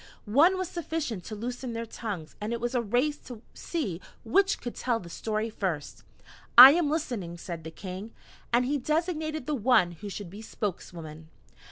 One was sufficient to loosen their tongues and it was a race to see which could tell the story first. "I am listening," said the King, and he designated the one who should be spokeswoman.